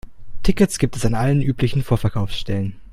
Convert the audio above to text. Tickets gibt es an allen üblichen Vorverkaufsstellen.